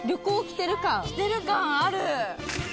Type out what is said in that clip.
来てる感ある。